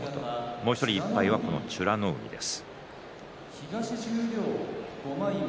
もう１人、１敗はこの美ノ海です。